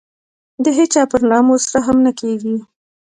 د هېچا پر ناموس رحم نه کېږي.